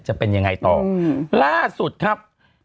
จะเป็นยังไงต่อล่าสุดครับ